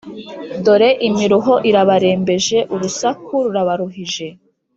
Dore imiruho irabarembeje urusaku rurabaruhije